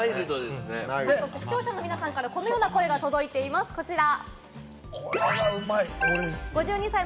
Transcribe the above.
視聴者の皆さんからこのような声が届いています、こちら。